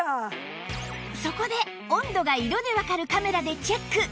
そこで温度が色でわかるカメラでチェック！